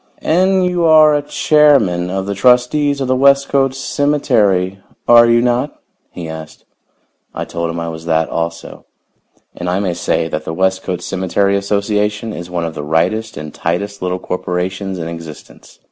"And you are chairman of the trustees of the Westcote Cemetery, are you not?" he asked. I told him I was that also. And I may say that the Westcote Cemetery Association is one of the rightest and tightest little corporations in existence.